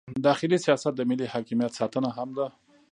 داخلي سیاست د ملي حاکمیت ساتنه هم ده.